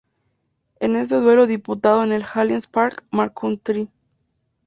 En este duelo disputado en el Allianz Park, marcó un try.